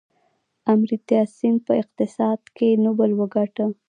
امرتیا سین په اقتصاد کې نوبل وګاټه.